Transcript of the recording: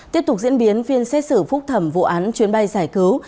tiếp tục diễn biến phiên xét xử phúc thẩm vụ án chuyến bay giải cứu